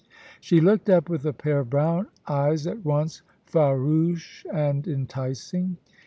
She looked up with a pair of brown eyes at onct farouche and enticing.